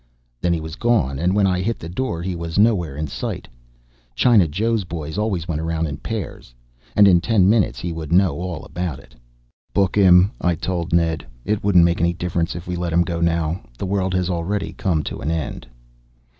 Then he was gone and when I hit the door he was nowhere in sight. China Joe's boys always went around in pairs. And in ten minutes he would know all about it. "Book him," I told Ned. "It wouldn't make any difference if we let him go now. The world has already come to an end."